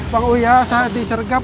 bang uya saat dicergap